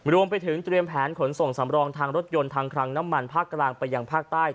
รวมไปถึงเตรียมแผนขนส่งสำรองทางรถยนต์ทางคลังน้ำมันภาคกลางไปยังภาคใต้